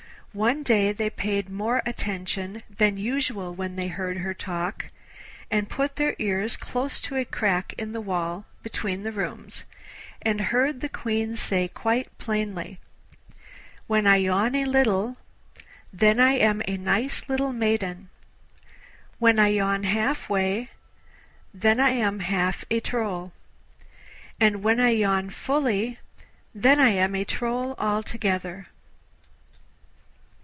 One day they paid more attention than usual when they heard her talk, and put their ears close to a crack in the wall between the rooms, and heard the Queen say quite plainly, 'When I yawn a little, then I am a nice little maiden; when I yawn half way, then I am half a troll; and when I yawn fully, then I am a troll altogether.